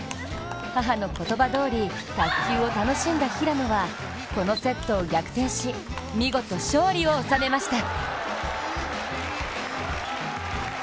母の言葉どおり卓球を楽しんだ平野はこのセットを逆転し、見事勝利を収めました。